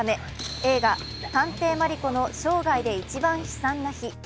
映画「探偵マリコの生涯で一番悲惨な日」。